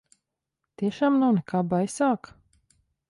Tiešām nav nekā baisāka?